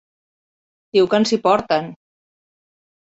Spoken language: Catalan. Diu que ens hi porten.